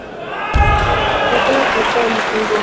Chakula kilikuwa kingi mno